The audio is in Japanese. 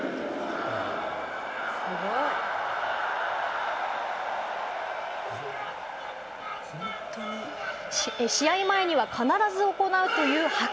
すごい！試合前には必ず行うというハカ。